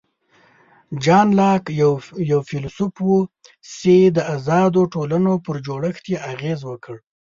جان لاک یو فیلسوف و چې د آزادو ټولنو پر جوړښت یې اغېز وکړ.